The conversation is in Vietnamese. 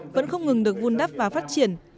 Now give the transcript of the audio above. vẫn không ngừng được vun đắp và phát triển